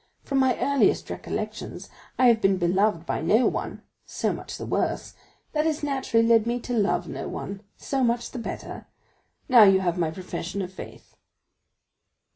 From my earliest recollections, I have been beloved by no one—so much the worse; that has naturally led me to love no one—so much the better—now you have my profession of faith."